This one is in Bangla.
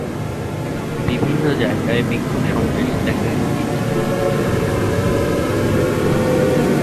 বিভিন্ন জায়গায় বিক্ষোভ সমাবেশ দেখা গিয়েছে।